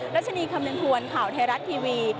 รัชนีคำนึงทวนข่าวไทยรัฐทีวี